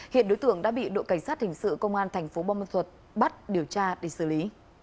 hiện đối tượng đã bị đội cảnh sát hình sự công an thành phố bô ma thuật bắt điều tra để xử lý